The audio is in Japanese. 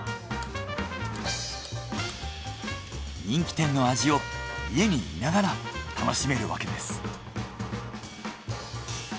人気店の味を家にいながら楽しめるわけです。